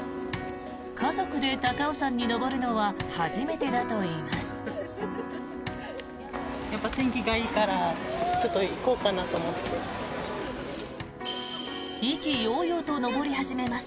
家族で高尾山に登るのは初めてだといいます。